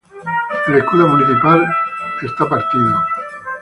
El escudo municipal es partido.